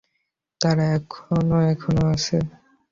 তারা এখনো এখানে আছে।